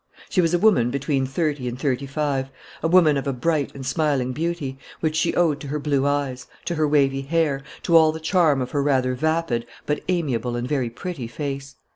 She was a woman between thirty and thirty five, a woman of a bright and smiling beauty, which she owed to her blue eyes, to her wavy hair, to all the charm of her rather vapid but amiable and very pretty face.